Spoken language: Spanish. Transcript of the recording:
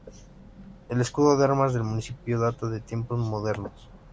El escudo de armas del municipio data de tiempos modernos.